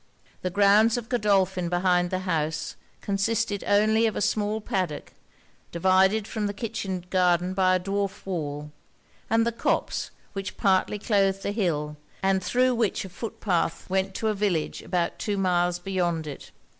The grounds of Godolphin behind the house, consisted only of a small paddock, divided from the kitchen garden by a dwarf wall; and the copse, which partly cloathed the hill, and thro' which a footpath went to a village about two miles beyond it.